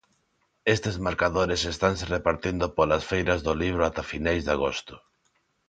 Estes marcadores estanse repartindo polas feiras do libro ata finais de agosto.